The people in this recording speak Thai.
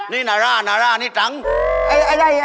นี่นาร่าเดรี๋ยวนางจัง